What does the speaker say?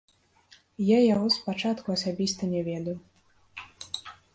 Я яго з пачатку асабіста не ведаў.